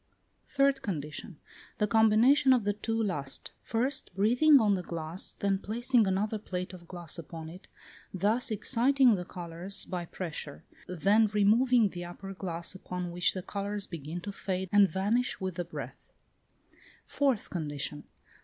Third condition. The combination of the two last; first, breathing on the glass, then placing another plate of glass upon it, thus exciting the colours by pressure; then removing the upper glass, upon which the colours begin to fade and vanish with the breath. Fourth condition.